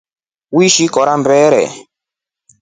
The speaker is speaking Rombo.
Uichi kora mbere?